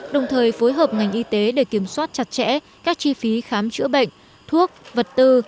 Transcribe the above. đồng thời phối hợp ngành y tế để kiểm soát chặt chẽ các chi phí khám chữa bệnh thuốc vật tư